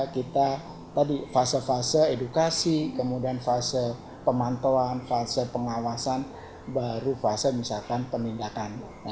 kita tadi fase fase edukasi kemudian fase pemantauan fase pengawasan baru fase misalkan penindakan